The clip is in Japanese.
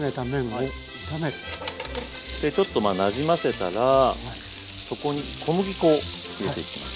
でちょっとなじませたらここに小麦粉を入れていきます。